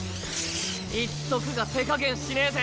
言っとくが手加減しねぇぜ。